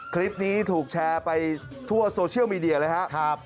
คลิปนี้ถูกแชร์ไปทั่วโซเชียลมีเดียเลยครับ